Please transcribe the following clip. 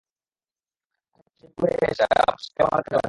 আশা করছি, সেই ভুলগুলো থেকে পাওয়া শিক্ষা এবার আমাদের কাজে লাগবে।